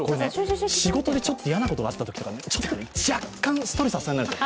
仕事で嫌なことがあったときとか若干ストレス発散になるんですよ。